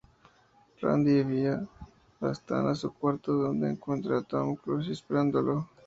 Randy envía a Stan a su cuarto donde encuentra a Tom Cruise esperándolo.